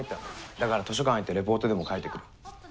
だから図書館行ってレポートでも書いてくる。